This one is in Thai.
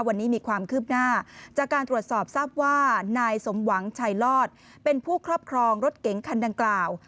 วันนี้มีความคืบหน้าจากการตรวจสอบทราบว่านายสมหวังชัยลอดเป็นผู้ครอบครองรถเก๋งคันดังกล่าว